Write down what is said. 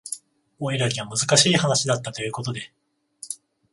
オイラには難しい話だったということで